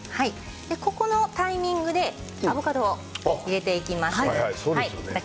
このタイミングでアボカドを入れていきます。